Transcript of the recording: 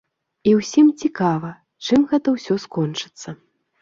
І ўсім цікава, чым гэта ўсё скончыцца.